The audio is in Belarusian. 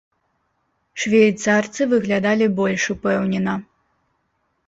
Швейцарцы выглядалі больш упэўнена.